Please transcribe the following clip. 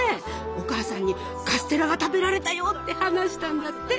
お母さんにカステラが食べられたよって話したんだって。